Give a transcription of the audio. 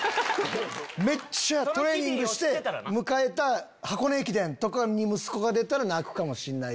めっちゃトレーニングして迎えた箱根駅伝とかに息子が出たら泣くかもしれない。